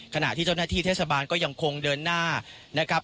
ขณะที่เจ้าหน้าที่เทศบาลก็ยังคงเดินหน้านะครับ